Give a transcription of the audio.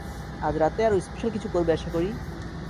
আজ রাতে আরো স্পেশাল কিছু করবে আশাকরি।